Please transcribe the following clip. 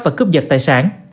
và cướp giật tài sản